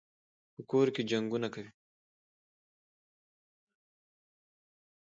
په کور کي جنګونه کوي.